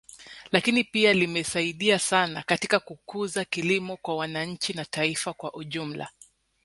Lakini pia limesaidia sana katika kukuza kilimo kwa wananchi na taifa kwa ujumla